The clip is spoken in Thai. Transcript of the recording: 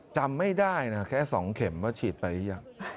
จำไม่ได้นะแค่๒เข็มว่าฉีดไปหรือยัง